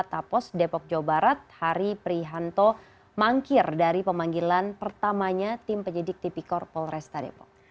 tapos depok jawa barat hari prihanto mangkir dari pemanggilan pertamanya tim penyidik tipikor polresta depok